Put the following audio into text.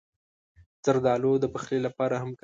زردالو د پخلي لپاره هم کارېږي.